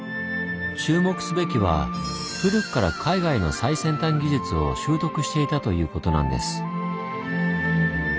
注目すべきは古くから海外の最先端技術を習得していたということなんです。